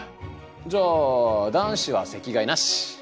じゃあ男子は席替えなし！